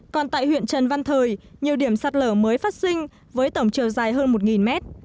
còn tại huyện trần văn thời nhiều điểm sạt lở mới phát sinh với tổng chiều dài hơn một mét